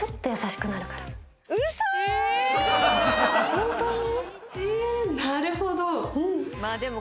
本当に？